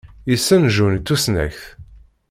Yessen Jun i tusnakt.